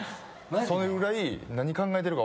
それぐらい。